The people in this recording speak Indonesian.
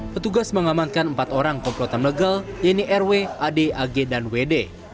petugas mengamankan empat orang komplotan legal yeni rw ade age dan wede